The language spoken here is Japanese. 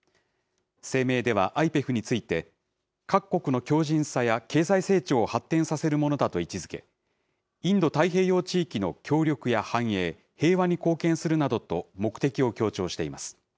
声明では、ＩＰＥＦについて、各国の強じんさや経済成長を発展させるものだと位置づけ、インド太平洋地域の協力や繁栄、平和に貢献するなどと目的を強調しています。